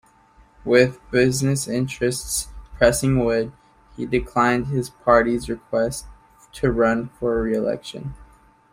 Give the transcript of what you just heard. With business interests pressing Wood, he declined his party's request to run for re-election.